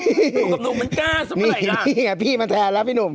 หนูกับหนุ่มมันกล้าสักเมื่อไหร่อ่ะนี่พี่อ่ะพี่มันแทนแล้วพี่หนุ่ม